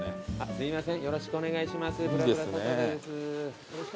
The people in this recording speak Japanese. すいません。